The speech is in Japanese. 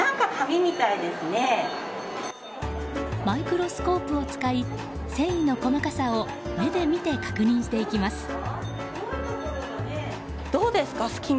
マイクロスコープを使い繊維の細かさを目で見て確認していきます。